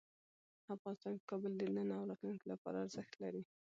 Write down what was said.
افغانستان کې کابل د نن او راتلونکي لپاره ارزښت لري.